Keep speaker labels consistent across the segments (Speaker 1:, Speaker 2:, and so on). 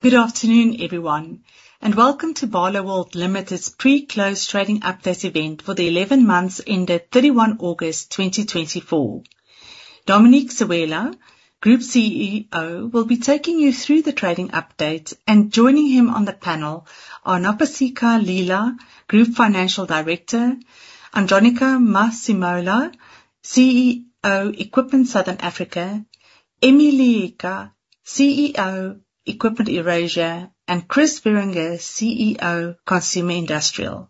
Speaker 1: Good afternoon, everyone, and welcome to Barloworld Limited's pre-close trading update event for the 11- months ended 31 August, 2024. Dominic Sewela, Group CEO, will be taking you through the trading update, and joining him on the panel are Nopasika Lila, Group Financial Director, Andronicca Masemola, CEO, Equipment Southern Africa, Emmy Leeka, CEO, Equipment Eurasia, and Chris Wierenga, CEO, Consumer Industries.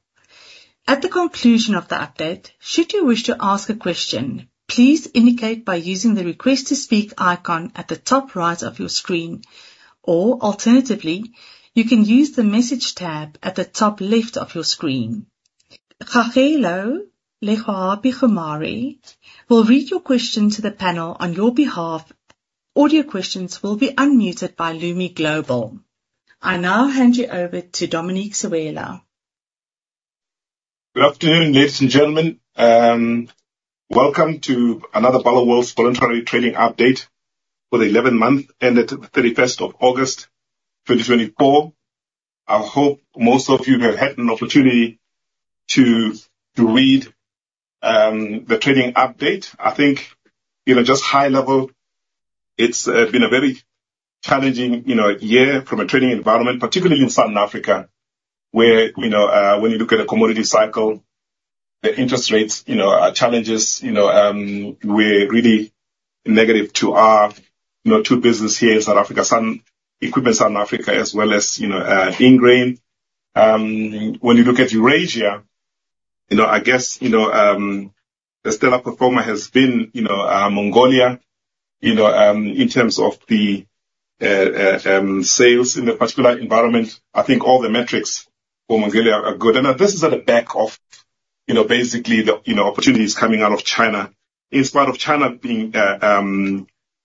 Speaker 1: At the conclusion of the update, should you wish to ask a question, please indicate by using the Request to Speak icon at the top right of your screen, or alternatively, you can use the Message tab at the top left of your screen. Kgaugelo Legoabe-Kgomari will read your question to the panel on your behalf. Audio questions will be unmuted by Lumi Global. I now hand you over to Dominic Sewela.
Speaker 2: Good afternoon, ladies and gentlemen. Welcome to another Barloworld's voluntary trading update for the 11-month, ended the 31st of August, 2024. I hope most of you have had an opportunity to read the trading update. I think, you know, just high level, it's been a very challenging, you know, year from a trading environment, particularly in Southern Africa, where, you know, when you look at a commodity cycle, the interest rates, you know, our challenges, you know, were really negative to our, you know, two business here in South Africa, Equipment Southern Africa, as well as, Ingrain. When you look at Eurasia, you know, I guess, you know, the stellar performer has been, you know, Mongolia, you know, in terms of the sales in the particular environment. I think all the metrics for Mongolia are good. And this is at the back of, you know, basically the, you know, opportunities coming out of China. In spite of China being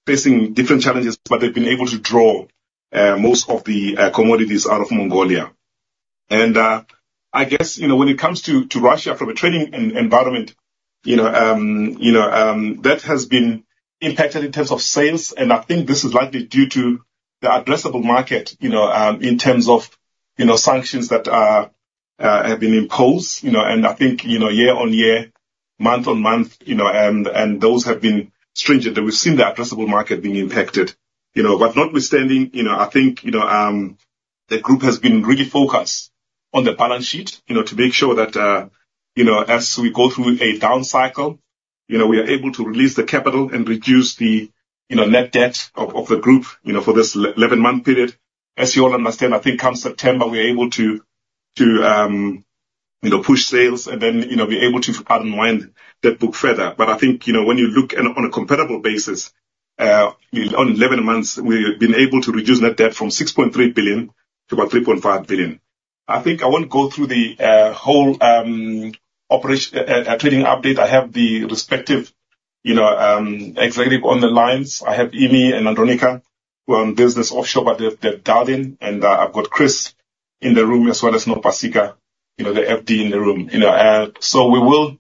Speaker 2: facing different challenges, but they've been able to draw most of the commodities out of Mongolia. And I guess, you know, when it comes to Russia, from a trading environment, you know, that has been impacted in terms of sales, and I think this is likely due to the addressable market, you know, in terms of, you know, sanctions that have been imposed. You know, and I think, you know, year on year, month on month, you know, and those have been stringent, that we've seen the addressable market being impacted. You know, but notwithstanding, you know, I think, you know, the group has been really focused on the balance sheet, you know, to make sure that, you know, as we go through a down cycle, you know, we are able to release the capital and reduce the, you know, net debt of the group, you know, for this 11-month period. As you all understand, I think come September, we're able to, to, you know, push sales and then, you know, be able to unwind that book further. But I think, you know, when you look on a comparable basis, you know, on 11-months, we've been able to reduce net debt from 6.3 billion to about 3.5 billion. I think I won't go through the whole operational trading update. I have the respective, you know, executive on the lines. I have Emmy and Andronica, who are on business offshore, but they're dialing, and I've got Chris in the room as well as Nopasika, you know, the FD in the room, you know, so we will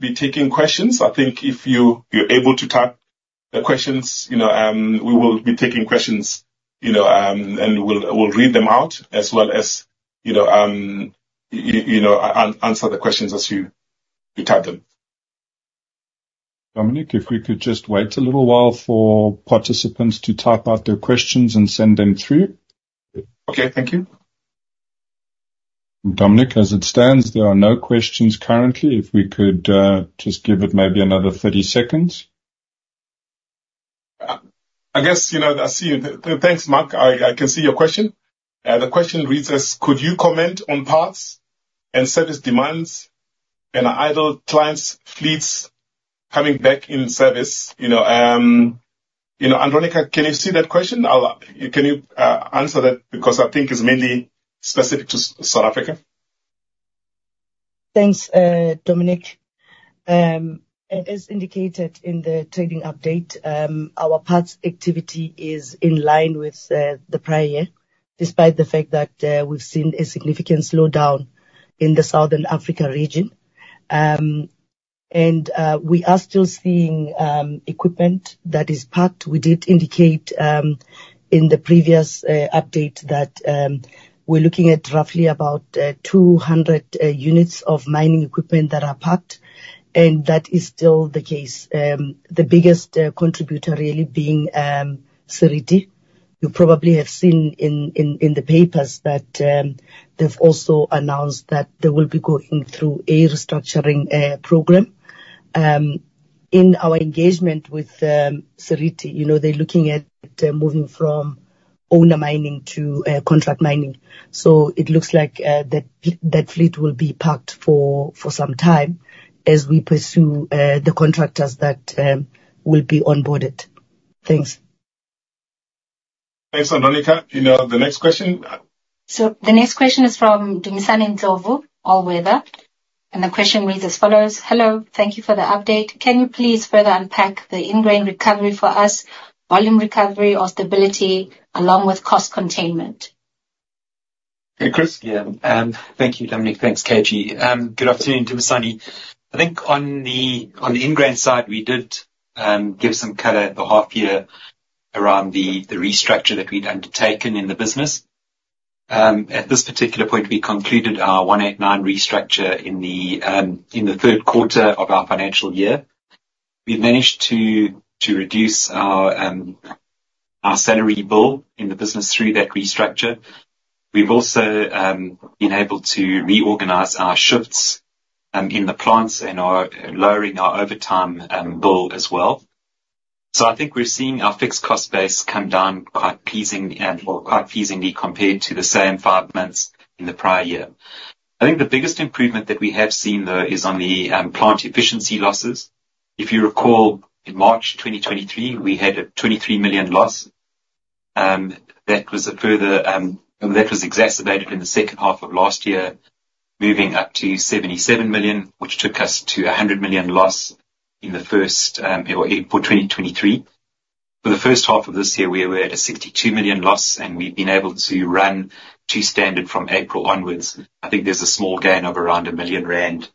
Speaker 2: be taking questions. I think if you're able to type the questions, you know, we will be taking questions, you know, and we'll read them out as well as, you know, answer the questions as you type them.
Speaker 1: Dominic, if we could just wait a little while for participants to type out their questions and send them through.
Speaker 2: Okay, thank you.
Speaker 1: Dominic, as it stands, there are no questions currently. If we could, just give it maybe another 30 seconds.
Speaker 2: I guess, you know, I see you. Thanks, Mark. I can see your question. The question reads as, could you comment on parts and service demands and idle clients' fleets coming back in service? You know, you know, Andronica, can you see that question? I'll, can you answer that? Because I think it's mainly specific to South Africa.
Speaker 3: Thanks, Dominic. As indicated in the trading update, our parts activity is in line with the prior year, despite the fact that we've seen a significant slowdown in the Southern Africa Region, and we are still seeing equipment that is parked. We did indicate in the previous update that we're looking at roughly about 200 units of mining equipment that are parked, and that is still the case. The biggest contributor really being Seriti. You probably have seen in the papers that they've also announced that they will be going through a restructuring program. In our engagement with Seriti, you know, they're looking at moving from owner mining to contract mining. So it looks like that fleet will be parked for some time as we pursue the contractors that will be onboarded. Thanks.
Speaker 2: Thanks, Andronicca. You know, the next question?
Speaker 4: So the next question is from Dumisani Ndlovu, All Weather, and the question reads as follows: Hello, thank you for the update. Can you please further unpack the Ingrain recovery for us, volume recovery or stability, along with cost containment?
Speaker 2: Hey, Chris.
Speaker 5: Yeah, thank you, Dominic. Thanks, KG. Good afternoon to Sandile. I think on the Ingrain side, we did give some color at the half year around the restructure that we'd undertaken in the business. At this particular point, we concluded our 189 restructure in the third quarter of our financial year. We've managed to reduce our salary bill in the business through that restructure. We've also been able to reorganize our shifts in the plants and are lowering our overtime bill as well. So I think we're seeing our fixed cost base come down quite pleasing or quite pleasingly compared to the same five months in the prior year. I think the biggest improvement that we have seen, though, is on the plant efficiency losses. If you recall, in March 2023, we had a 23 million loss. That was a further, That was exacerbated in the second half of last year, moving up to 77 million, which took us to a 100 million loss in the first, April 2023. For the first half of this year, we were at a 62 million loss, and we've been able to run to standard from April onwards. I think there's a small gain of around 1 million rand,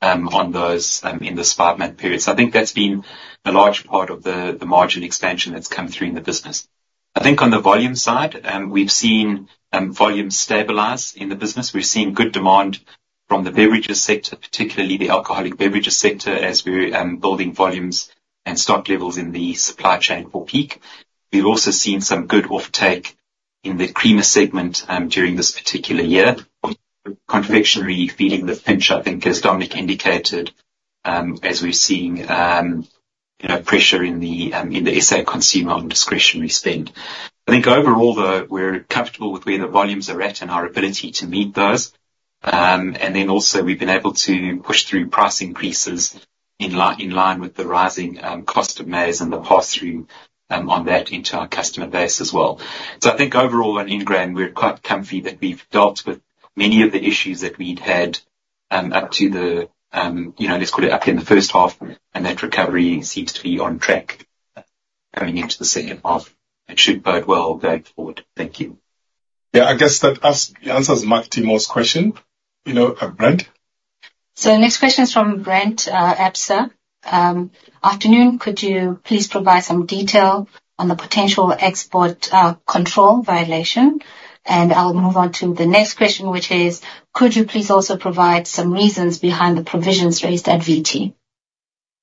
Speaker 5: on those, in this 5-month period. So I think that's been a large part of the margin expansion that's come through in the business. I think on the volume side, we've seen, volumes stabilize in the business. We've seen good demand from the beverages sector, particularly the alcoholic beverages sector, as we're building volumes and stock levels in the supply chain for peak. We've also seen some good offtake in the creamer segment during this particular year. Confectionery feeding the finish, I think, as Dominic indicated, as we're seeing you know, pressure in the SA consumer on discretionary spend. I think overall, though, we're comfortable with where the volumes are at and our ability to meet those. And then also, we've been able to push through price increases in line with the rising cost of maize and the pass-through on that into our customer base as well. So I think overall in Ingrain, we're quite comfy that we've dealt with many of the issues that we'd had up to the you know, let's call it up in the first half, and that recovery seems to be on track going into the second half and should bode well going forward. Thank you.
Speaker 2: Yeah, I guess that answers Marc Ter Mors question, you know, Brent.
Speaker 4: So the next question is from Brent, Absa. Afternoon, could you please provide some detail on the potential export control violation? And I'll move on to the next question, which is: could you please also provide some reasons behind the provisions raised at VT?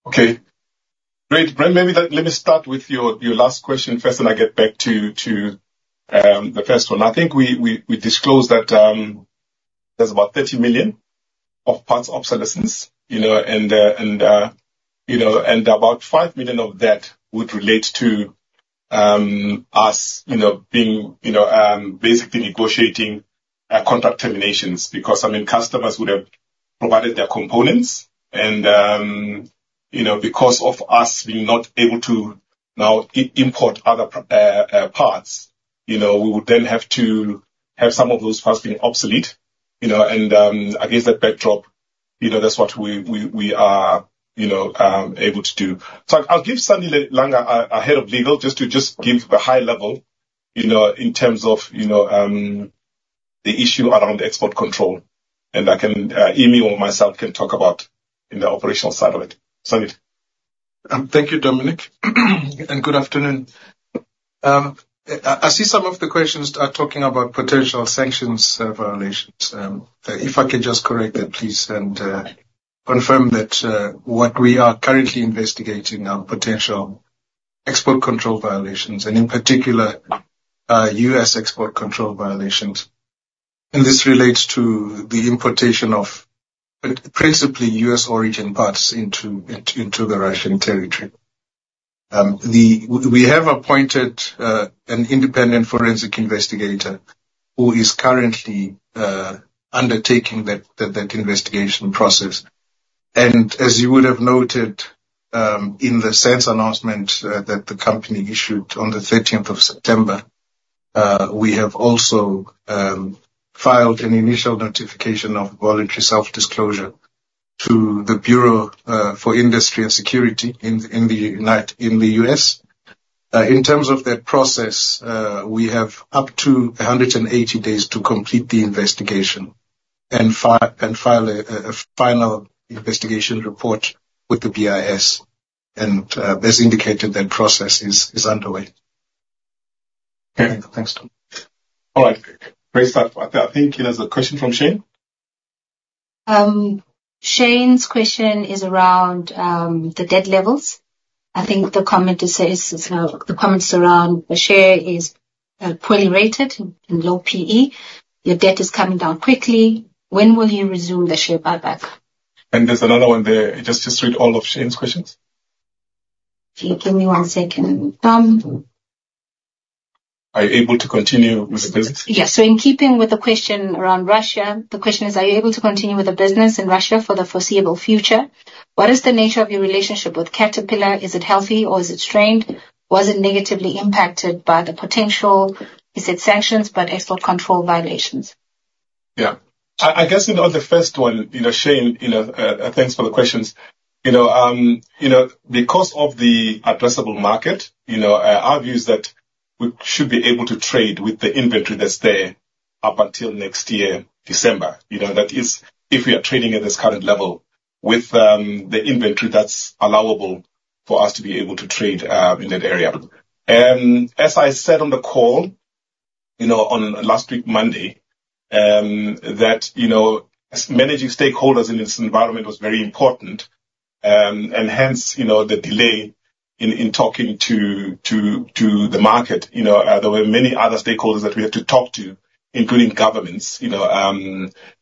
Speaker 2: Okay, great. Brent, maybe let me start with your last question first, then I get back to the first one. I think we disclosed that there's about 30 million of parts and solutions, you know, and about 5 million of that would relate to us, you know, being, you know, basically negotiating contract terminations. Because, I mean, customers would have provided their components and, you know, because of us being not able to now import other parts, you know, we would then have to have some of those parts being obsolete, you know, and against that backdrop, you know, that's what we are, you know, able to do. I'll give Sandile Langa, our head of legal, just to give the high level, you know, in terms of, you know, the issue around export control. And I can, Emmy or myself can talk about in the operational side of it. Sandile?
Speaker 6: Thank you, Dominic. Good afternoon. I see some of the questions are talking about potential sanctions violations. If I could just correct that, please, and confirm that what we are currently investigating are potential export control violations, and in particular, U.S. Export Control Violations. This relates to the importation of principally U.S.-origin parts into the Russian territory. We have appointed an independent forensic investigator who is currently undertaking that investigation process. As you would have noted, in the SENS announcement that the company issued on the 30th of September, we have also filed an initial notification of voluntary self-disclosure to the Bureau of Industry and Security in the U.S. In terms of that process, we have up to 180 days to complete the investigation and file a final investigation report with the BIS, and as indicated, that process is underway. Okay. Thanks, Dom.
Speaker 2: All right. Great start. I think there's a question from Shane.
Speaker 4: Shane's question is around the debt levels. I think the comment it says the comments around the share is poorly rated and low PE. Your debt is coming down quickly. When will you resume the share buyback?
Speaker 2: And there's another one there. Just, just read all of Shane's questions.
Speaker 4: Give me one second.
Speaker 2: Are you able to continue with the business?
Speaker 4: Yes. So in keeping with the question around Russia, the question is: Are you able to continue with the business in Russia for the foreseeable future? What is the nature of your relationship with Caterpillar? Is it healthy or is it strained? Was it negatively impacted by the potential, you said sanctions, but export control violations?
Speaker 2: Yeah. I guess, you know, on the first one, you know, Shane, you know, thanks for the questions. You know, because of the addressable market, you know, our view is that we should be able to trade with the inventory that's there up until next year, December. You know, that is if we are trading at this current level with the inventory that's allowable for us to be able to trade in that area. As I said on the call, you know, on last week, Monday, that managing stakeholders in this environment was very important. And hence, you know, the delay in talking to the market. You know, there were many other stakeholders that we had to talk to, including governments, you know.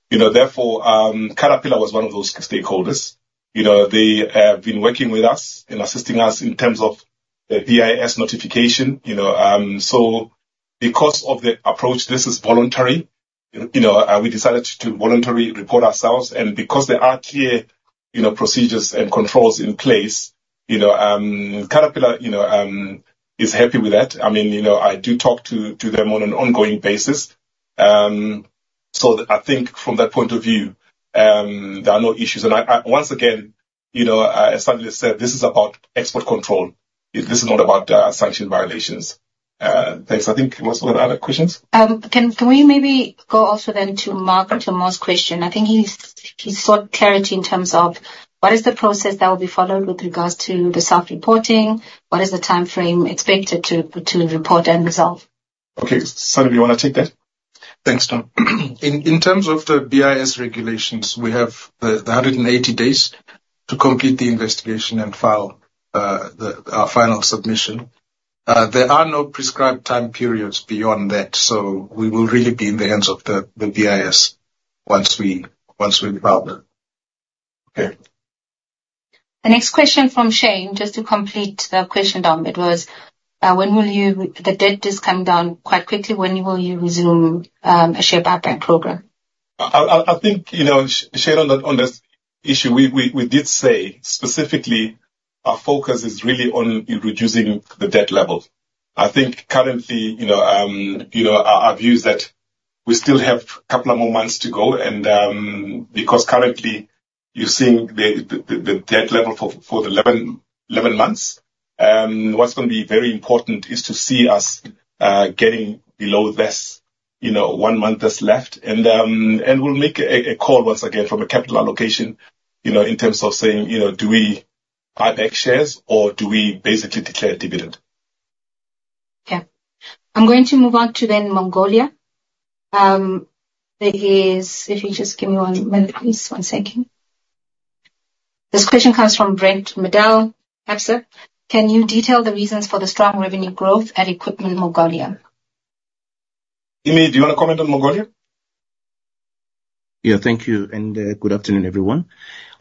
Speaker 2: You know, therefore, Caterpillar was one of those stakeholders. You know, they have been working with us and assisting us in terms of the BIS notification, you know. So because of the approach, this is voluntary. You know, we decided to voluntarily report ourselves, and because there are clear, you know, procedures and controls in place, you know, Caterpillar, you know, is happy with that. I mean, you know, I do talk to them on an ongoing basis. So I think from that point of view, there are no issues. And once again, you know, as Sandile said, this is about export control. This is not about sanction violations. Thanks. I think, was there other questions?
Speaker 4: Can we maybe go also then to Marc Ter Mors question? I think he's sought clarity in terms of, what is the process that will be followed with regards to the self-reporting? What is the timeframe expected to report and resolve?
Speaker 2: Okay. Sandile, you wanna take that?
Speaker 6: Thanks, Dom. In terms of the BIS regulations, we have the 180 days to complete the investigation and file our final submission. There are no prescribed time periods beyond that, so we will really be in the hands of the BIS once we file that.
Speaker 2: Okay.
Speaker 4: The next question from Shane, just to complete the question, Dom. It was, the debt is coming down quite quickly, when will you resume a share buyback program?
Speaker 2: I think, you know, Shane, on this issue, we did say specifically, our focus is really on reducing the debt level. I think currently, you know, our view is that we still have a couple of more months to go, and because currently you're seeing the debt level for the 11-months. What's gonna be very important is to see us getting below this, you know, one month that's left, and we'll make a call once again from a capital allocation, you know, in terms of saying, you know, do we buy back shares or do we basically declare a dividend?
Speaker 4: Okay. I'm going to move on to then Mongolia. If you just give me one minute, please. One second. This question comes from Brent Madel, Absa: Can you detail the reasons for the strong revenue growth at Equipment Mongolia?
Speaker 2: Emmy, do you wanna comment on Mongolia?
Speaker 7: Yeah, thank you, and good afternoon, everyone.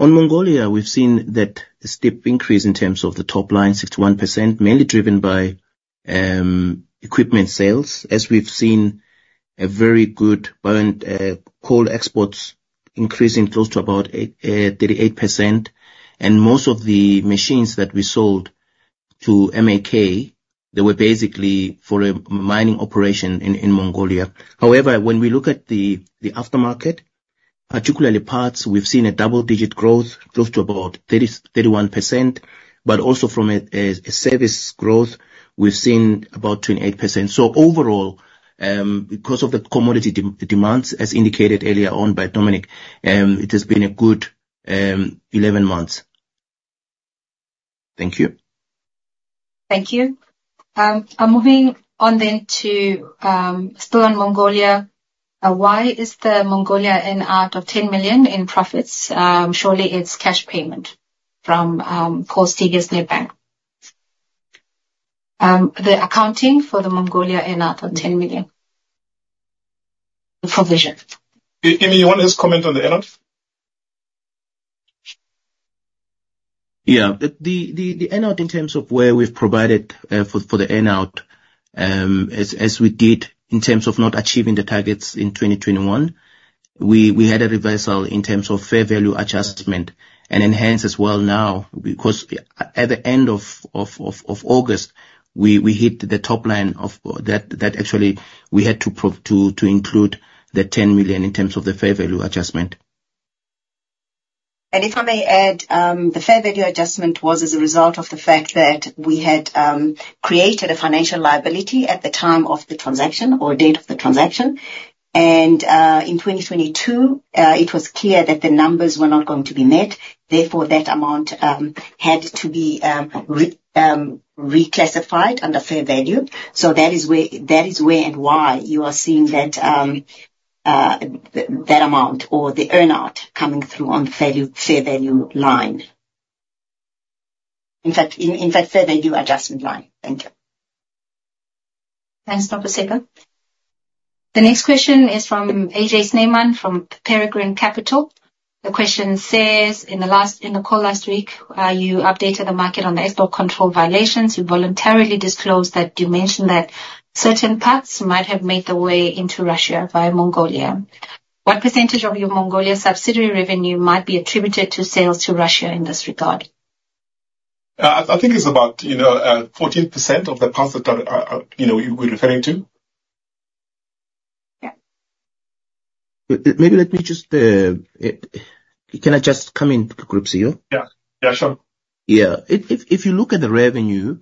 Speaker 7: On Mongolia, we've seen that steep increase in terms of the top line, 61%, mainly driven by equipment sales, as we've seen a very good boom in coal exports increasing close to about 38%. Most of the machines that we sold to MAK were basically for a mining operation in Mongolia. However, when we look at the aftermarket, particularly parts, we've seen a double-digit growth, close to about 31%, but also from a service growth, we've seen about 28%. Overall, because of the commodity demands, as indicated earlier on by Dominic, it has been a good 11-months. Thank you.
Speaker 4: Thank you. I'm moving on then to, still on Mongolia. Why is the Mongolian income out of 10 million in profits? Surely it's cash payment from post-Caterpillar in bank. The accounting for the Mongolian income out of 10 million. The provision.
Speaker 2: Emmy, you want to just comment on the earn-out?
Speaker 7: Yeah. The earn-out in terms of where we've provided for the earn-out, as we did in terms of not achieving the targets in 2021, we had a reversal in terms of fair value adjustment and Ingrain as well now, because at the end of August, we hit the top line of that actually we had to provide to include the 10 million in terms of the fair value adjustment.
Speaker 8: And if I may add, the fair value adjustment was as a result of the fact that we had created a financial liability at the time of the transaction or date of the transaction. And in 2022, it was clear that the numbers were not going to be met, therefore, that amount had to be reclassified under fair value. So that is where, that is where and why you are seeing that amount or the earn-out coming through on value, fair value line. In fact, fair value adjustment line. Thank you.
Speaker 4: Thanks, Nopasika. The next question is from AJ Snyman, from Peregrine Capital. The question says: In the last call last week, you updated the market on the export control violations. You voluntarily disclosed that you mentioned that certain parts might have made their way into Russia via Mongolia. What percentage of your Mongolia subsidiary revenue might be attributed to sales to Russia in this regard?
Speaker 2: I think it's about, you know, 14% of the parts that are, you know, we're referring to.
Speaker 3: Yeah.
Speaker 7: Maybe let me just, can I just come in, Group CEO?
Speaker 2: Yeah. Yeah, sure.
Speaker 7: Yeah. If you look at the revenue,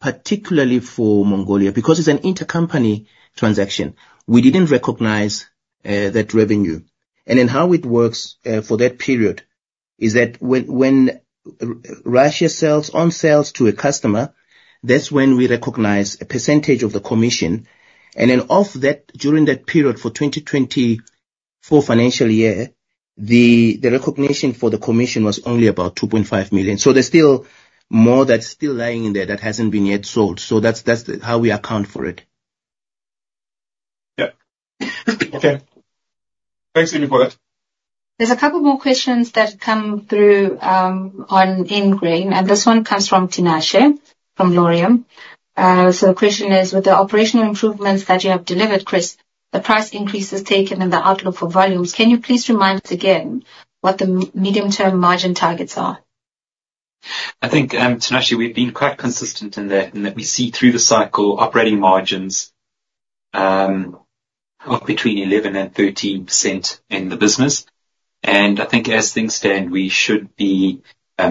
Speaker 7: particularly for Mongolia, because it's an intercompany transaction, we didn't recognize that revenue. And then how it works for that period is that when Russia sells on sales to a customer, that's when we recognize a percentage of the commission. And then off that, during that period for 2024 financial year, the recognition for the commission was only about 2.5 million. So there's still more that's lying in there that hasn't been yet sold. So that's how we account for it.
Speaker 2: Yeah. Okay. Thanks, Sivi, for that.
Speaker 4: There's a couple more questions that come through on Ingrain, and this one comes from Tinashe, from Laurium. So the question is, with the operational improvements that you have delivered, Chris, the price increases taken and the outlook for volumes, can you please remind us again what the medium-term margin targets are?
Speaker 5: I think, Tinashe, we've been quite consistent in that we see through the cycle operating margins of between 11% and 13% in the business. And I think as things stand, we should be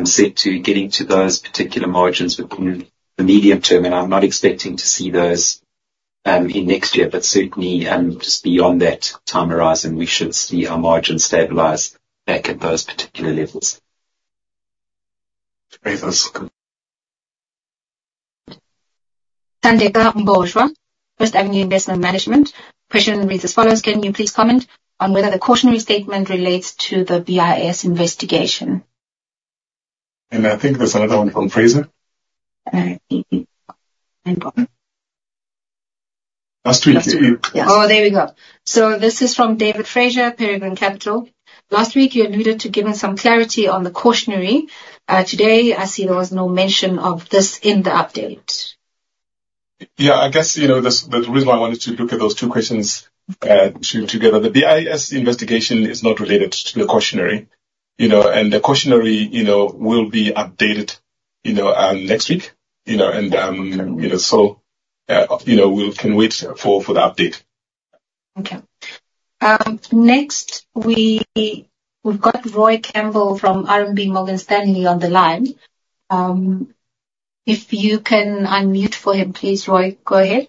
Speaker 5: set to getting to those particular margins within the medium term, and I'm not expecting to see those in next year. But certainly, just beyond that time horizon, we should see our margins stabilize back at those particular levels.
Speaker 2: Thanks. That's good.
Speaker 4: Sandile Mbolompo, First Avenue Investment Management. Question reads as follows. Can you please comment on whether the cautionary statement relates to the BIS investigation?
Speaker 2: I think there's another one from Fraser.
Speaker 4: Mm-hmm.
Speaker 2: Last week.
Speaker 4: Yes. Oh, there we go. So this is from David Fraser, Peregrine Capital. Last week, you alluded to giving some clarity on the cautionary. Today, I see there was no mention of this in the update.
Speaker 2: Yeah, I guess, you know, the reason why I wanted to look at those two questions together. The BIS investigation is not related to the cautionary, you know, and the cautionary, you know, will be updated, you know, so, you know, we can wait for the update.
Speaker 4: Okay. Next, we've got Roy Campbell from RMB Morgan Stanley on the line. If you can unmute for him, please, Roy, go ahead.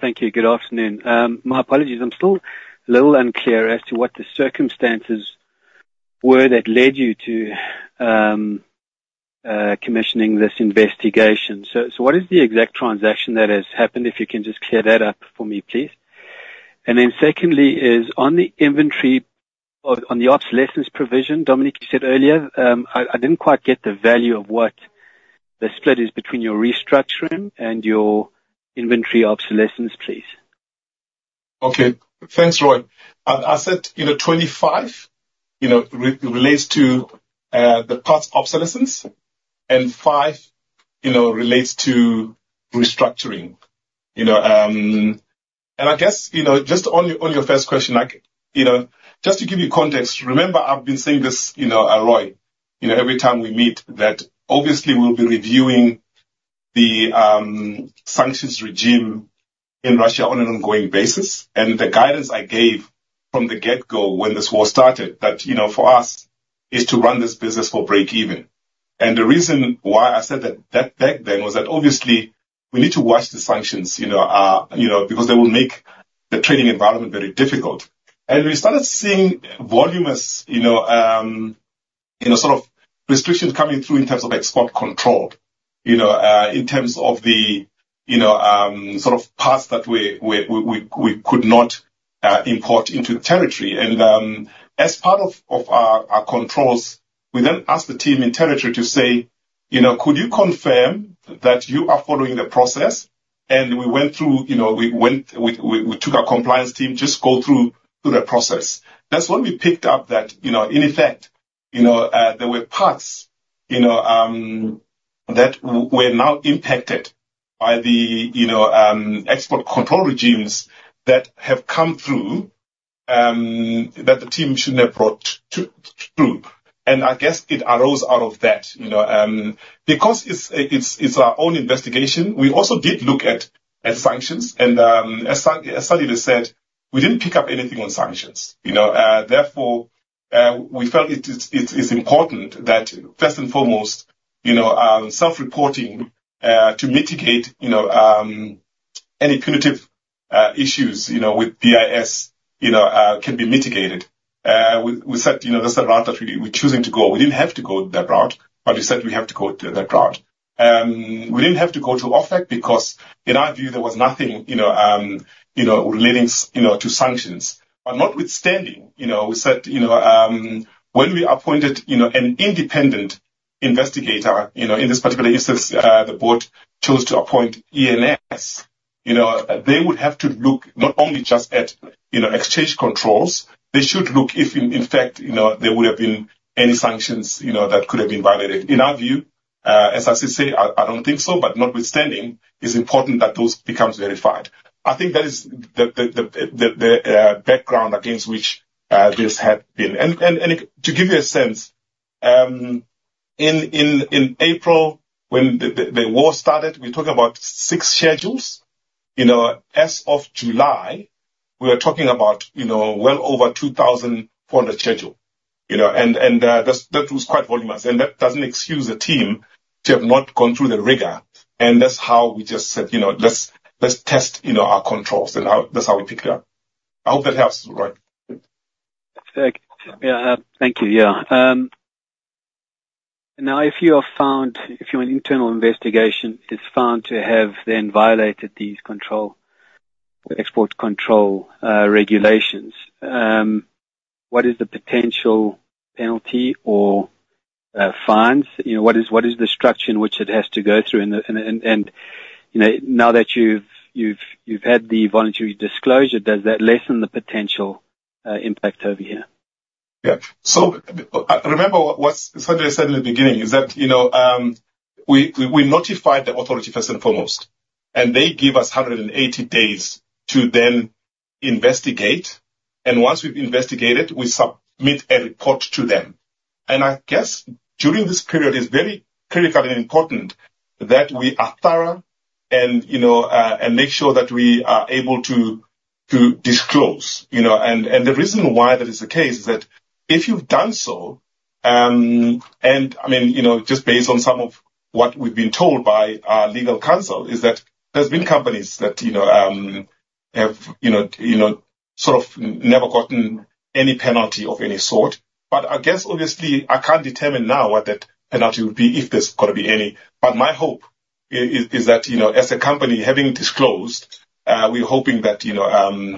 Speaker 9: Thank you. Good afternoon. My apologies. I'm still a little unclear as to what the circumstances were that led you to commissioning this investigation. So what is the exact transaction that has happened? If you can just clear that up for me, please. And then secondly is, on the inventory, or on the obsolescence provision, Dominic, you said earlier, I didn't quite get the value of what the split is between your restructuring and your inventory obsolescence, please.
Speaker 2: Okay. Thanks, Roy. I said, you know, 25, you know, relates to the parts obsolescence, and five, you know, relates to restructuring. You know, and I guess, you know, just on your, on your first question, like, you know, just to give you context, remember, I've been saying this, you know, Roy, you know, every time we meet, that obviously we'll be reviewing the sanctions regime in Russia on an ongoing basis. And the guidance I gave from the get-go when this war started, that, you know, for us, is to run this business for breakeven. And the reason why I said that, that back then, was that obviously we need to watch the sanctions, you know, because they will make the trading environment very difficult. And we started seeing voluminous, you know, sort of restrictions coming through in terms of export control, you know, in terms of the, you know, sort of parts that we could not import into the territory. And, as part of our controls, we then asked the team in territory to say, "You know, could you confirm that you are following the process?" And we went through, you know, we took our compliance team, just go through that process. That's when we picked up that, you know, in effect, you know, there were parts, you know, that were now impacted by the export control regimes that have come through, that the team shouldn't have brought through. And I guess it arose out of that, you know. Because it's our own investigation, we also did look at sanctions, and, as Sandile said, we didn't pick up anything on sanctions, you know. Therefore, we felt it is important that first and foremost, you know, self-reporting to mitigate, you know, any punitive issues, you know, with BIS, you know, can be mitigated. We said, you know, that's the route that we're choosing to go. We didn't have to go that route, but we said we have to go that route. We didn't have to go to OFAC because, in our view, there was nothing, you know, relating to sanctions. But notwithstanding, you know, we said, you know, when we appointed, you know, an independent investigator, you know, in this particular instance, the board chose to appoint ENS. You know, they would have to look not only just at, you know, exchange controls. They should look if, in fact, you know, there would have been any sanctions, you know, that could have been violated. In our view, as I said, I don't think so, but notwithstanding, it's important that those becomes verified. I think that is the background against which this had been. And to give you a sense, in April, when the war started, we're talking about six schedules. You know, as of July, we are talking about, you know, well over 2,400 schedule, you know, and, and, that's, that was quite voluminous, and that doesn't excuse the team to have not gone through the rigor. And that's how we just said, you know, let's, let's test, you know, our controls, and that, that's how we picked it up. I hope that helps, right?
Speaker 9: Thanks, yeah. Thank you, yeah. Now, if you are found, if your internal investigation is found to have then violated these export control regulations, what is the potential penalty or fines? You know, what is the structure in which it has to go through? And, you know, now that you've had the voluntary disclosure, does that lessen the potential impact over here?
Speaker 2: Yeah. So, remember what Sandile said in the beginning, is that, you know, we notified the authority first and foremost, and they give us 180 days to then investigate. And once we've investigated, we submit a report to them. And I guess, during this period, it's very critical and important that we are thorough and, you know, and make sure that we are able to disclose. You know, and the reason why that is the case is that if you've done so. And I mean, you know, just based on some of what we've been told by our legal counsel, is that there's been companies that, you know, have sort of never gotten any penalty of any sort. But I guess, obviously, I can't determine now what that penalty would be, if there's gonna be any. But my hope is that, you know, as a company, having disclosed, we're hoping that, you know,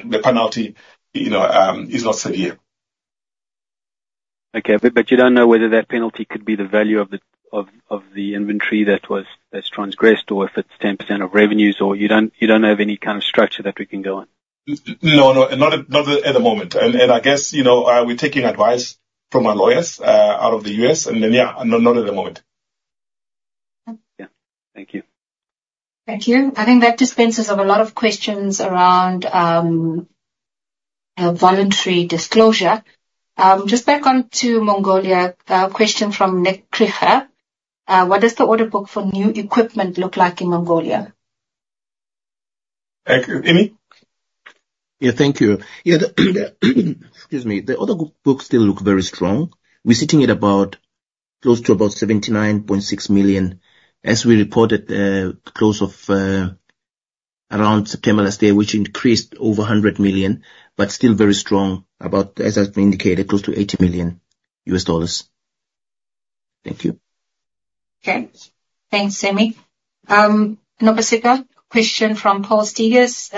Speaker 2: the penalty, you know, is not severe.
Speaker 9: Okay. But you don't know whether that penalty could be the value of the inventory that's transgressed, or if it's 10% of revenues, or you don't have any kind of structure that we can go on?
Speaker 2: No, not at the moment. And I guess, you know, we're taking advice from our lawyers out of the U.S., and then, yeah, not at the moment.
Speaker 9: Yeah. Thank you.
Speaker 4: Thank you. I think that dispenses of a lot of questions around voluntary disclosure. Just back onto Mongolia. Question from Nick Kruger. What does the order book for new equipment look like in Mongolia?
Speaker 2: Thank you. Emmy?
Speaker 7: Yeah. Thank you. Yeah, excuse me, the order book still look very strong. We're sitting at about, close to about $79.6 million. As we reported, close of around September last year, which increased over $100 million, but still very strong, about, as I've indicated, close to $80 million US dollars. Thank you.
Speaker 4: Okay. Thanks, Emmy. Nopasika, question from Paul Steegers,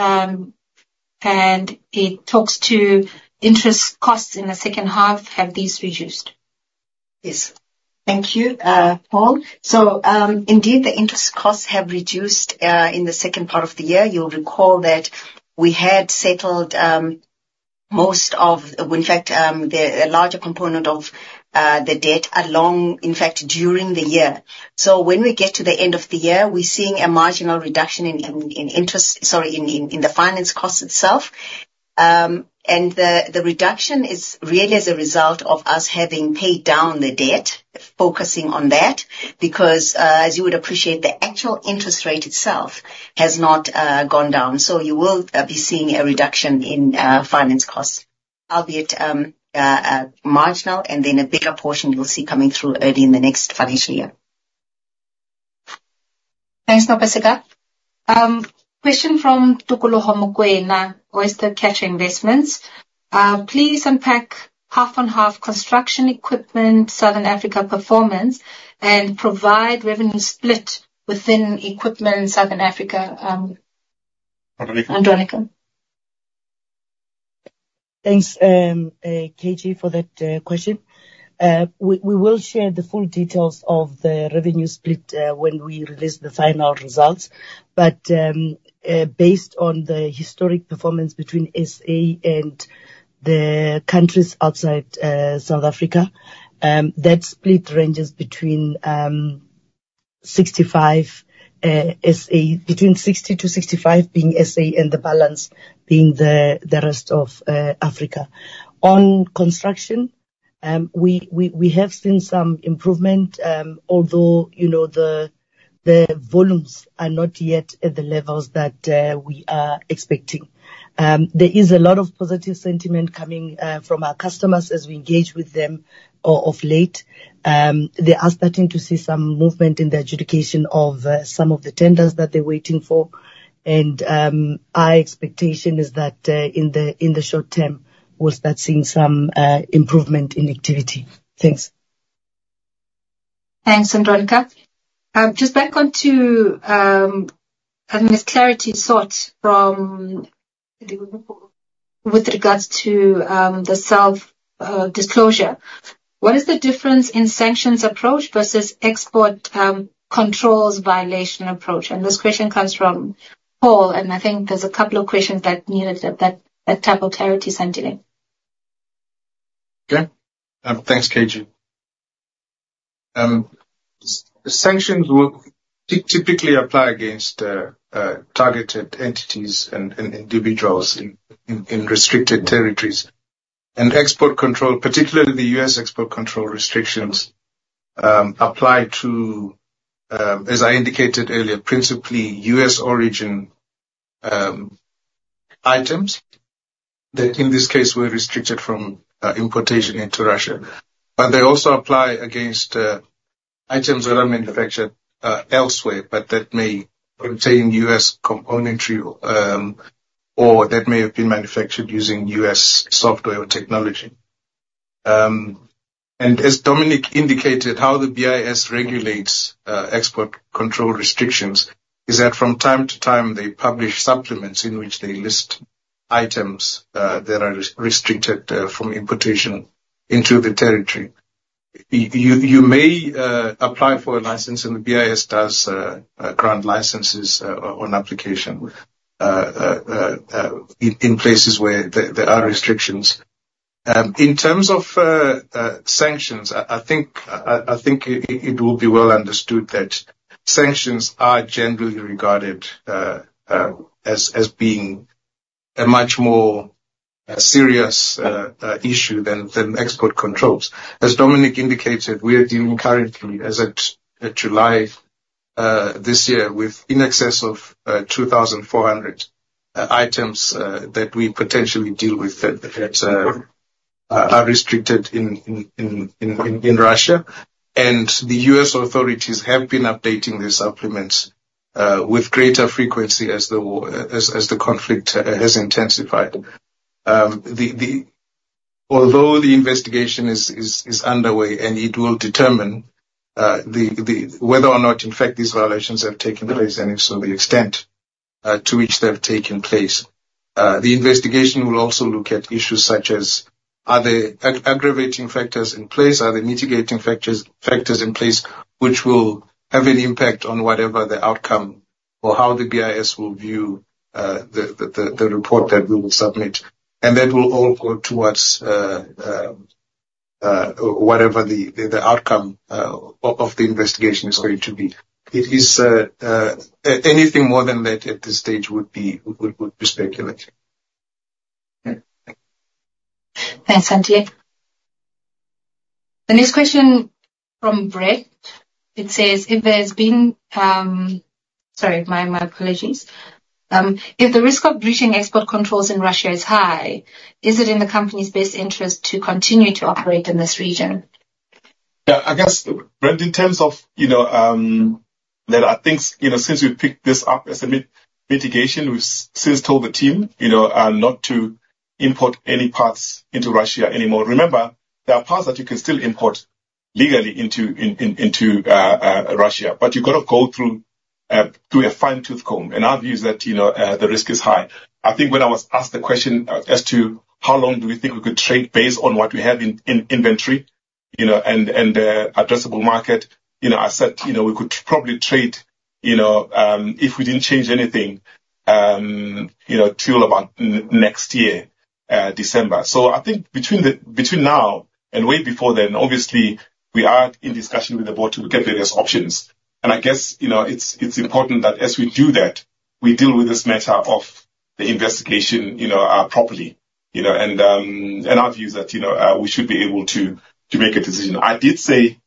Speaker 4: and it talks to interest costs in the second half. Have these reduced?
Speaker 8: Yes. Thank you, Paul. So, indeed, the interest costs have reduced in the second part of the year. You'll recall that we had settled most of, well, in fact, a larger component of the debt along, in fact, during the year. So when we get to the end of the year, we're seeing a marginal reduction in interest. Sorry, in the finance cost itself. And the reduction is really as a result of us having paid down the debt, focusing on that. Because, as you would appreciate, the actual interest rate itself has not gone down. So you will be seeing a reduction in finance costs, albeit marginal, and then a bigger portion you'll see coming through early in the next financial year.
Speaker 4: Thanks, Nopasika. Question from Thakgalo Hlongwane, Oyster Catcher Investments. Please unpack half on half construction equipment, Southern Africa performance, and provide revenue split within Equipment Southern Africa.
Speaker 2: Andronicca.
Speaker 4: Andronicca.
Speaker 3: Thanks, KG, for that question. We will share the full details of the revenue split when we release the final results, but based on the historic performance between SA and the countries outside South Africa, that split ranges between 60 to 65 being SA, and the balance being the rest of Africa. On construction, we have seen some improvement, although, you know, the volumes are not yet at the levels that we are expecting. There is a lot of positive sentiment coming from our customers as we engage with them of late. They are starting to see some movement in the adjudication of some of the tenders that they're waiting for. Our expectation is that in the short term, we'll start seeing some improvement in activity. Thanks.
Speaker 4: Thanks, Andronicca. Just back onto, I mean, it's clarity sought from, with regards to the self-disclosure. What is the difference in sanctions approach versus export controls violation approach? And this question comes from Paul, and I think there's a couple of questions that needed that, that type of clarity, Sandile.
Speaker 6: Okay. Thanks, KG. Sanctions will typically apply against targeted entities and individuals in restricted territories. And export control, particularly the U.S. export control restrictions, apply to, as I indicated earlier, principally U.S. origin items that in this case were restricted from importation into Russia. But they also apply against items that are manufactured elsewhere but that may contain U.S. componentry or that may have been manufactured using U.S. software or technology. And as Dominic indicated, how the BIS regulates export control restrictions is that from time to time they publish supplements in which they list items that are restricted from importation into the territory. You may apply for a license, and the BIS does grant licenses on application in places where there are restrictions. In terms of sanctions, I think it will be well understood that sanctions are generally regarded as being a much more serious issue than export controls. As Dominic indicated, we are dealing currently, as at July this year, with in excess of 2400 items that we potentially deal with that are restricted in Russia. And the U.S. authorities have been updating their supplements with greater frequency as the war- as the conflict has intensified. Although the investigation is underway, and it will determine whether or not, in fact, these violations have taken place, and if so, the extent to which they have taken place. The investigation will also look at issues such as, are there aggravating factors in place? Are there mitigating factors in place, which will have an impact on whatever the outcome, or how the BIS will view the report that we will submit. And that will all go towards whatever the outcome of the investigation is going to be. Anything more than that at this stage would be speculating.
Speaker 4: Thanks, Santiago. The next question from Brett. It says, if the risk of breaching export controls in Russia is high, is it in the company's best interest to continue to operate in this region?
Speaker 2: Yeah, I guess, Brent, in terms of, you know, there are things, you know, since we've picked this up as a mitigation, we've since told the team, you know, not to import any parts into Russia anymore. Remember, there are parts that you can still import legally into Russia, but you've got to go through a fine-tooth comb. In our view is that, you know, the risk is high. I think when I was asked the question, as to how long do we think we could trade based on what we have in inventory, you know, and the addressable market, you know, I said, you know, we could probably trade, you know, if we didn't change anything, you know, till about next year, December. So I think between now and way before then, obviously, we are in discussion with the board to look at various options. And I guess, you know, it's important that as we do that, we deal with this matter of the investigation, you know, properly. You know, and our view is that, you know, we should be able to make a decision. I did say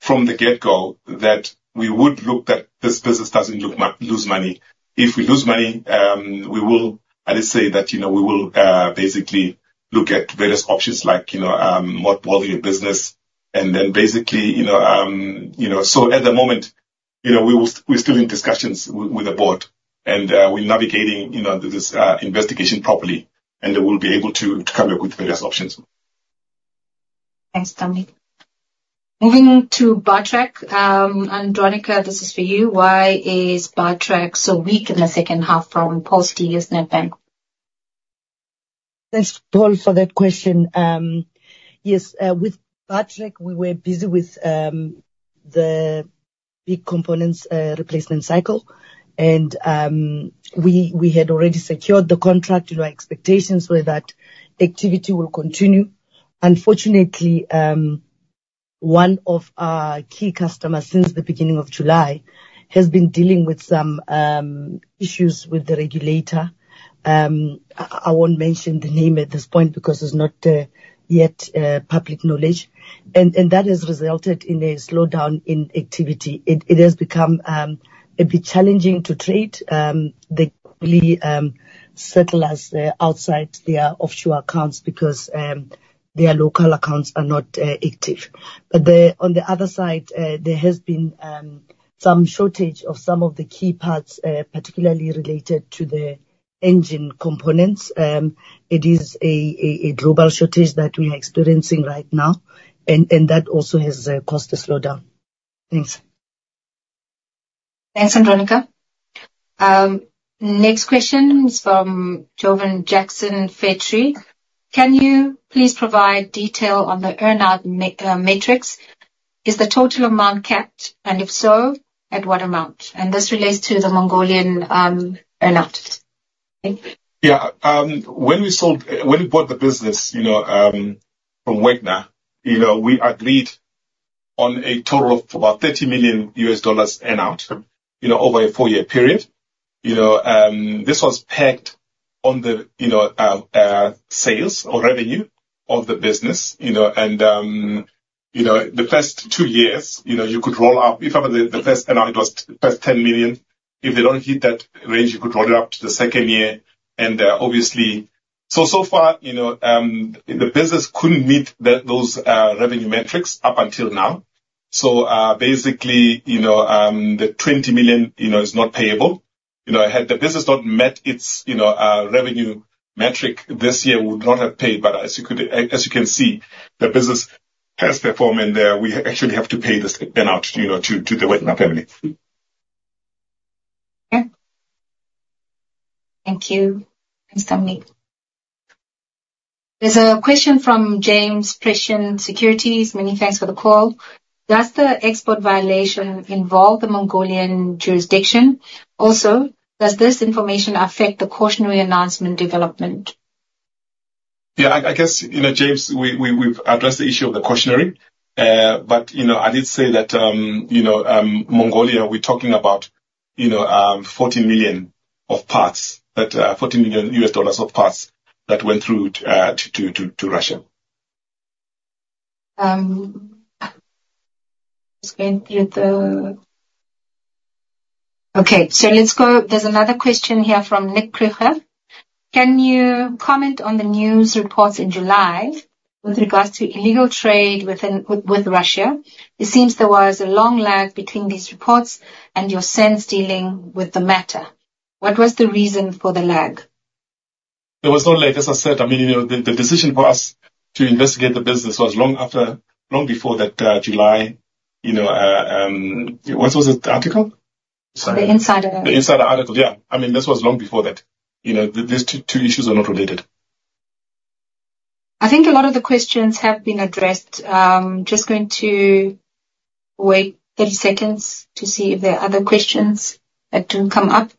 Speaker 2: from the get-go that we would look that this business doesn't look lose money. If we lose money, we will. I did say that, you know, we will basically look at various options like, you know, what are your business, and then basically, you know, you know, at the moment, you know, we're still in discussions with the board, and we're navigating, you know, this investigation properly, and then we'll be able to come up with various options.
Speaker 4: Thanks, Dominic. Moving to Bartrac. Andronicca, this is for you. Why is Bartrac so weak in the second half from post-year Snapback?
Speaker 3: Thanks, Paul, for that question. Yes, with Bartrac, we were busy with the big components replacement cycle, and we had already secured the contract, you know, expectations were that activity will continue. Unfortunately, one of our key customers since the beginning of July has been dealing with some issues with the regulator. I won't mention the name at this point because it's not yet public knowledge, and that has resulted in a slowdown in activity. It has become a bit challenging to trade. They really settle assets outside their offshore accounts because their local accounts are not active. But, on the other side, there has been some shortage of some of the key parts, particularly related to the engine components. It is a global shortage that we are experiencing right now, and that also has caused a slowdown. Thanks.
Speaker 4: Thanks, Andronicca. Next question is from Jauwad Jackson. Can you please provide detail on the earn out matrix? Is the total amount capped, and if so, at what amount? And this relates to the Mongolian earn out. Thank you.
Speaker 2: Yeah. When we bought the business, you know, from Wagner, you know, we agreed on a total of about $30 million earn-out, you know, over a 4-year period. You know, this was pegged on the, you know, sales or revenue of the business, you know. You know, the first two years, you know, you could roll up. If ever the first earn-out was the first $10 million, if they don't hit that range, you could roll it up to the second year, and, obviously. So far, you know, the business couldn't meet those revenue metrics up until now. So, basically, you know, the $20 million, you know, is not payable. You know, had the business not met its, you know, revenue metric this year, we would not have paid. But as you could, as you can see, the business has performed, and we actually have to pay this earn-out, you know, to the Wagner family.
Speaker 4: Okay. Thank you, Dominic. There's a question from James Prichard, Prescient Securities. Many thanks for the call. Does the export violation involve the Mongolian jurisdiction? Also, does this information affect the cautionary announcement development?
Speaker 2: Yeah, I guess, you know, James, we've addressed the issue of the cautionary. But, you know, I did say that, you know, Mongolia, we're talking about, you know, $14 million of parts that $14 million of parts that went through to Russia.
Speaker 4: There's another question here from Nick Kruger. Can you comment on the news reports in July with regards to illegal trade with Russia? It seems there was a long lag between these reports and your response dealing with the matter. What was the reason for the lag?
Speaker 2: There was no lag. As I said, I mean, you know, the decision for us to investigate the business was long after, long before that, July, you know, what was it? The article?
Speaker 4: The Insider.
Speaker 2: The Insider Article. Yeah. I mean, this was long before that. You know, these two issues are not related.
Speaker 4: I think a lot of the questions have been addressed. Just going to wait 30 seconds to see if there are other questions that do come up.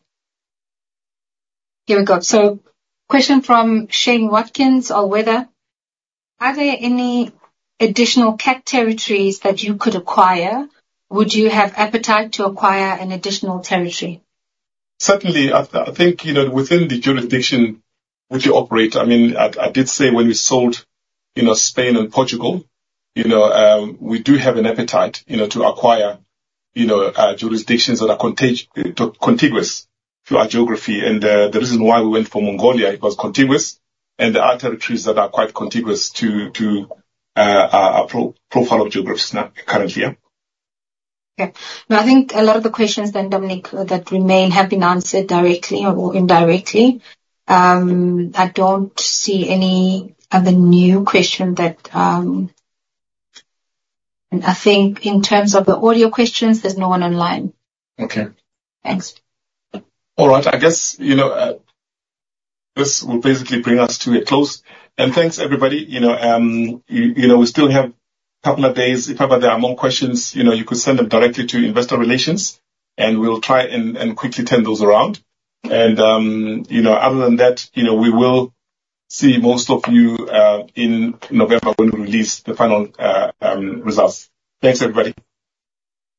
Speaker 4: Here we go. So question from Shane Watkins of All Weather Capital. Are there any additional Cat territories that you could acquire? Would you have appetite to acquire an additional territory?
Speaker 2: Certainly. I think, you know, within the jurisdiction which you operate, I mean, I did say when we sold, you know, Spain and Portugal, you know, we do have an appetite, you know, to acquire, you know, jurisdictions that are contiguous to our geography. And the reason why we went for Mongolia, it was contiguous, and there are territories that are quite contiguous to our profile of geographies now, currently, yeah.
Speaker 4: Yeah. No, I think a lot of the questions then, Dominic, that remain have been answered directly or indirectly. I don't see any other new question that. I think in terms of the audio questions, there's no one online.
Speaker 2: Okay.
Speaker 4: Thanks.
Speaker 2: All right. I guess, you know, this will basically bring us to a close. And thanks, everybody. You know, we still have a couple of days. If ever there are more questions, you know, you could send them directly to investor relations, and we'll try and quickly turn those around. And, you know, other than that, you know, we will see most of you in November, when we release the final results. Thanks, everybody.